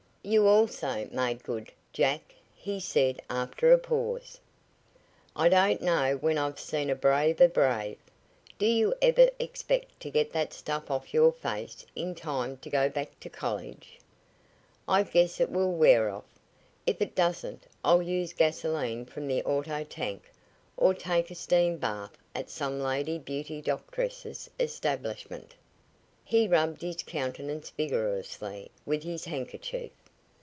"You also made good, Jack," he said after a pause. "I don't know when I've seen a braver brave. Do you ever expect to get that stuff off your face in time to go back to college?" "I guess it will wear off. If it doesn't I'll use gasolene from the auto tank, or take a steam bath at some lady beauty doctress's establishment." He rubbed his countenance vigorously with his handkerchief.